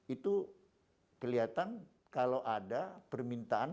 itu kelihatan kalau ada permintaan